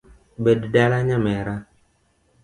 Bed dala nyamera